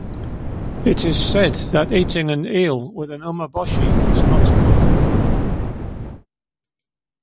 It is said that eating an eel with an umeboshi is not good.